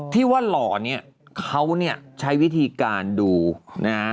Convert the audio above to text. ที่ว่าหล่อนี่เขาใช้วิธีการดูนะ